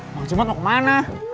mau jembat mau kemana